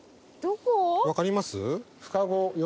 分かります？